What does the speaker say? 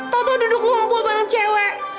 tau tau duduk ngumpul bareng cewek